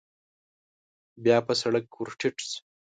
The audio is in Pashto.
بيا په سړک ور ټيټ شو.